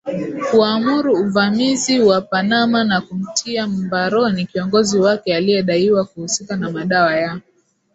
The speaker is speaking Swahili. kuamuru uvamizi wa Panama na kumtia mbaroni kiongozi wake aliedaiwa kuhusika na madawa ya